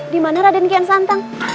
di mana raden kian santang